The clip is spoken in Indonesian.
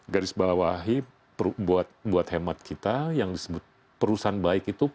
garis bawahi buat hemat kita yang disebut perusahaan baik itu